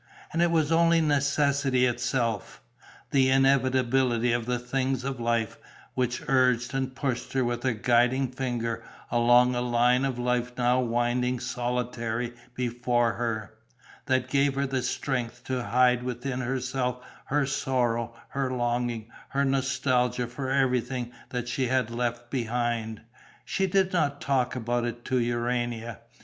And it was only necessity itself the inevitability of the things of life, which urged and pushed her with a guiding finger along a line of life now winding solitary before her that gave her the strength to hide within herself her sorrow, her longing, her nostalgia for everything that she had left behind. She did not talk about it to Urania.